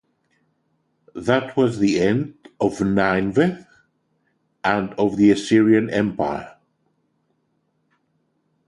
That was the end of Nineveh and of the Assyrian empire.